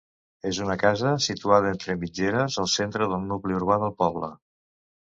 És una casa situada entre mitgeres, al centre del nucli urbà del poble.